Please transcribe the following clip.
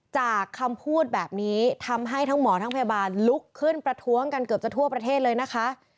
จากคำพูดแบบนี้ทำให้ทั้งหมอทั้งพยาบาลลุกขึ้นประท้วงกันเกือบจะทั่วประเทศเลยนะคะ